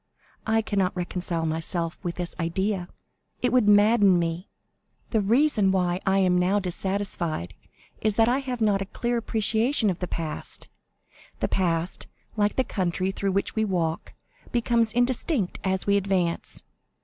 I cannot reconcile myself to this idea—it would madden me. The reason why I am now dissatisfied is that I have not a clear appreciation of the past. The past, like the country through which we walk, becomes indistinct as we advance.